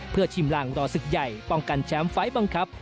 เพื่อชิมลางรอศึกใหญ่ป้องกันแชมป์ไฟล์บังคับ